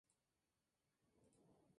Fue criado en una devota familia católica.